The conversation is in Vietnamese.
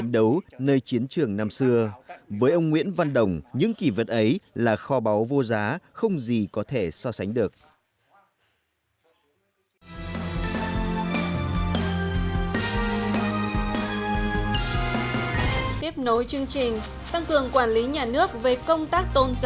về công tác tôn giáo tại thành hóa